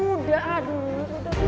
aduh udah sih